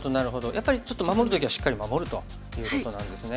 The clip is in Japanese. やっぱりちょっと守る時はしっかり守るということなんですね。